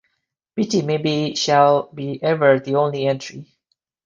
Pity maybe shall be ever the only entry.